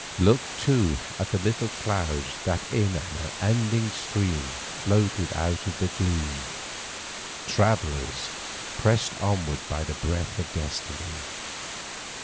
Look, too, at the little clouds that in an unending stream floated out of the gloom—travellers pressed onwards by a breath of destiny.